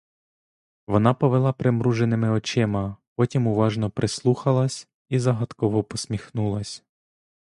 Вона повела примруженими очима, потім уважно прислухалась і загадково посміхнулась.